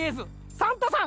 サンタさん！